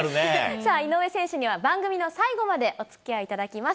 さあ、井上選手には番組の最後までおつきあいいただきます。